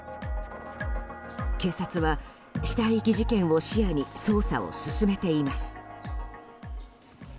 警察は、死体遺棄事件を視野に捜査を進めています。